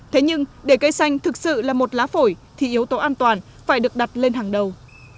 thế nhưng để cây xanh thực sự là một lá phổi thì yếu tố an toàn phải được đặt lên hàng đầu